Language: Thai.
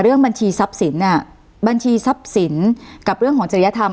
บัญชีทรัพย์สินบัญชีทรัพย์สินกับเรื่องของจริยธรรม